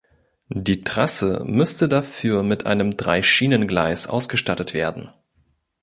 Die Trasse müsste dafür mit einem Dreischienengleis ausgestattet werden.